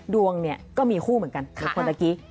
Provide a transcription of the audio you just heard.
ดวงก็มีคู่เหมือนกันในคว๋ตักิ